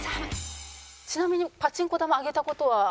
ちなみにパチンコ玉上げた事は？